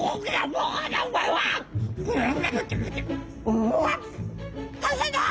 「うわ大変だ！」。